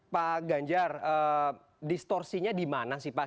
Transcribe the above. pak ganjar distorsinya di mana sih pak